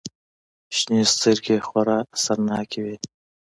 شنې سترگې يې خورا اثرناکې وې.